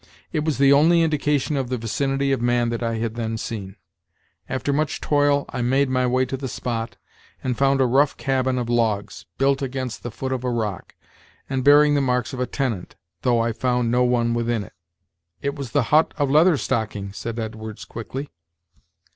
It was the only indication of the vicinity of man that I had then seen. After much toil I made my way to the spot, and found a rough cabin of logs, built against the foot of a rock, and bearing the marks of a tenant, though I found no one within it " "It was the hut of Leather Stocking," said Edwards quickly.